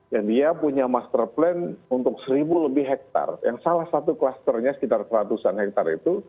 dan dia punya master plan untuk seribu lebih hektare yang salah satu klasternya sekitar seratusan hektare itu